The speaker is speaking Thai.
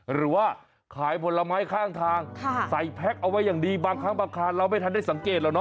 หรือว่าขายผลไม้ข้างทางใส่แพ็คเอาไว้อย่างดีบางครั้งบางคารเราไม่ทันได้สังเกตหรอกเน